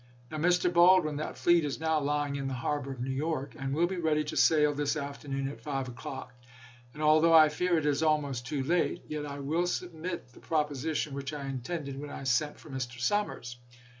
Now, Mr. Baldwin, that fleet is now lying in the harbor of New York, and will be ready to sail this afternoon at 5 o'clock ; and although I fear it is almost too late, yet I will submit the proposition which I intended when I sent for Mr. Summers.